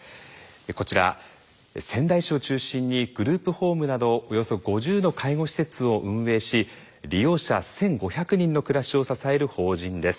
こちら仙台市を中心にグループホームなどおよそ５０の介護施設を運営し利用者１，５００人の暮らしを支える法人です。